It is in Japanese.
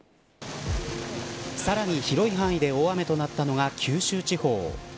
さらに広い範囲で大雨となったのが九州地方。